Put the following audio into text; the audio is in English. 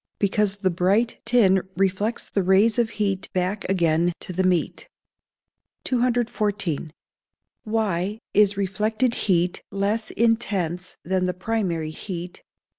_ Because the bright tin reflects the rays of heat back again to the meat. 214. _Why is reflected heat less intense than the primary heat?